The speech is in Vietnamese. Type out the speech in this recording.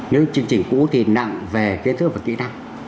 những chương trình cũ thì nặng về kiến thức và kỹ năng